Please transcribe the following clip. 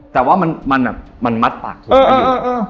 แต่ว่ามันมัดปากถูกมาอยู่